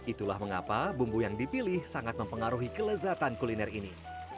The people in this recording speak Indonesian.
itulah mengapa bumbu yang dipilih sangat mempengaruhi kelezatan kuliner ini